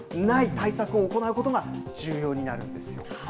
対策を行うことが重要になるんです。